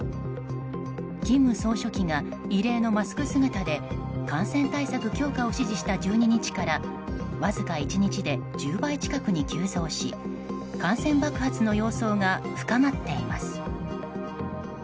金総書記が異例のマスク姿で感染対策強化を指示した１２日からわずか１日で１０倍近くに急増し感染爆発の様相が深まっています。